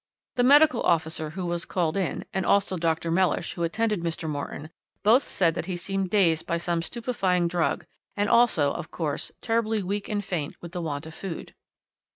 "The medical officer who was called in, and also Dr. Mellish who attended Mr. Morton, both said that he seemed dazed by some stupefying drug, and also, of course, terribly weak and faint with the want of food.